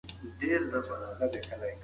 پاڼه مه شکوه ځکه ژوندۍ ده.